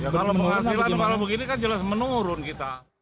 kalau penghasilan kalau begini kan jelas menurun kita